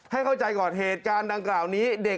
ให้เข้าใจก่อนเหตุการณ์ดังกล่าวนี้เด็ก